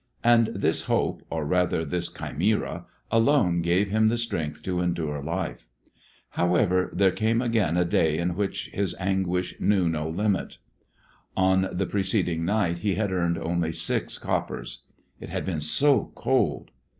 And this hope, or rather this chimera, alone gave him the strength to endure life. However, there came again a day in which his anguish knew no limit. On the preceding night he had earned only six coppers. It had been so cold!